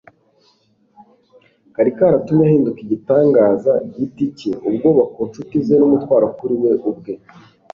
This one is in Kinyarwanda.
kari karatumye ahinduka igitangaza gitcye ubwoba ku nshuti ze n'umutwaro kuri we ubwe.